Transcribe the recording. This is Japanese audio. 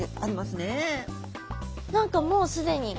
何かもう既に。